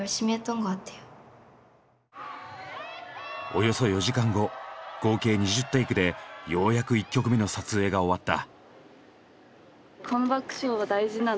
およそ４時間後合計２０テイクでようやく１曲目の撮影が終わった。